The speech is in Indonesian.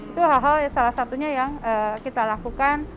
itu hal hal salah satunya yang kita lakukan